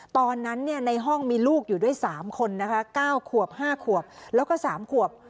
ตอนนั้นเนี่ยในห้องมีลูกอยู่ด้วยสามคนนะคะเก้าขวบห้าขวบแล้วก็สามขวบ